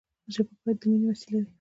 ژبه باید د ميني وسیله وي.